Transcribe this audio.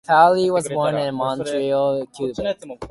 Faille was born in Montreal, Quebec.